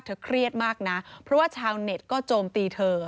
เครียดมากนะเพราะว่าชาวเน็ตก็โจมตีเธอ